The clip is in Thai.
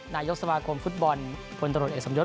นายกสมาคมฟุตบอลผลตะโร่นแอดสมยศ